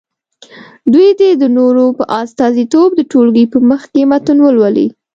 دوی دې د نورو په استازیتوب د ټولګي په مخکې متن ولولي.